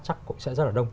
chắc cũng sẽ rất là đông